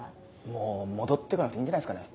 もう戻って来なくていいんじゃないすかね。